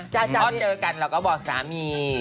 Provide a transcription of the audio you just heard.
พอเจอกันเราก็บอกสามี